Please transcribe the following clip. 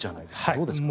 どうですか。